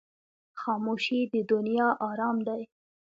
خاموشي، د دنیا آرام دی.